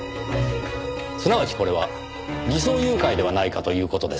すなわちこれは偽装誘拐ではないかという事です。